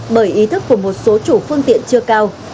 bởi ý thức của một số chủ phương tiện chưa cao